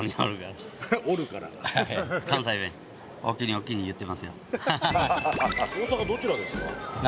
大阪どちらですか？